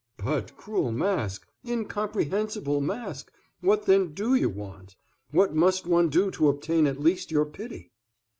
"But, cruel Mask, incomprehensible Mask, what then do you want? What must one do to obtain at least your pity?"